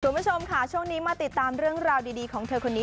คุณผู้ชมค่ะช่วงนี้มาติดตามเรื่องราวดีของเธอคนนี้